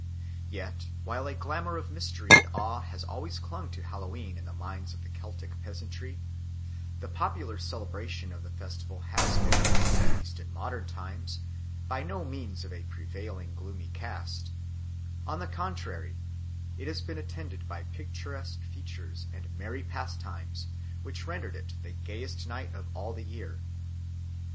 Yet while a glamour of mystery and awe has always clung to Hallowe'en in the minds of the Celtic peasantry, the popular celebration of the festival has been, at least in modern times, by no means of a prevailing gloomy cast; on the contrary it has been attended by picturesque features and merry pastimes, which rendered it the gayest night of all the year.